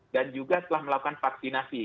dan juga setelah melakukan vaksinasi